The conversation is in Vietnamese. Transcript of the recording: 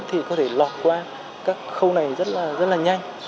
thì có thể lọt qua các khâu này rất là nhanh